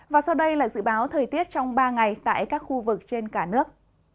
và sau đây là dự báo thời tiết trong ba ngày tại các khu vực trên cả nước